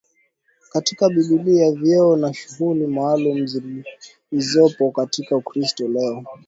katika Biblia Vyeo na shughuli maalumu zilizopo katika Ukristo leo